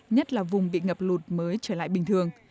nhất là vùng bị ngập lụt mới trở lại bình thường